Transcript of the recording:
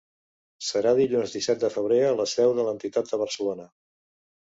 Serà dilluns disset de febrer a la seu de l’entitat a Barcelona.